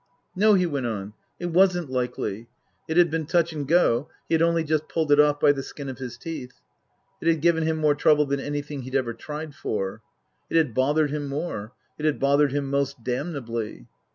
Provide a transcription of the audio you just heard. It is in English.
No, he went on, it wasn't likely. It had been touch and go, he had only just pulled it off by the skin of his teeth. It had given him more trouble than anything he'd ever tried for. It had bothered him more. It had bothered him most damnably.